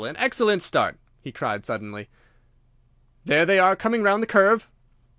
An excellent start!" he cried suddenly. "There they are, coming round the curve!"